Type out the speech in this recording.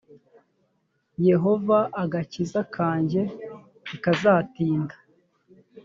yehova agakiza kanjye ntikazatinda